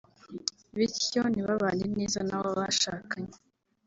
bityo ntibabane neza n’abo bashakanye